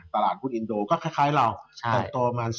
ตลาดหุ้นอินโดก็คล้ายเราเติบโตมา